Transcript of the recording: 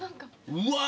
うわ！